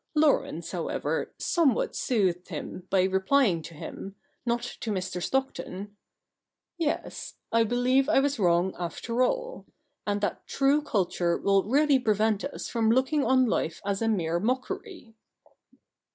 Laurence, however, some what soothed him by replying to him, not to Mr. Stockton, ' Yes, I believe I was wrong after all ; and that true culture will really prevent us from looking on life as a mere mockery.'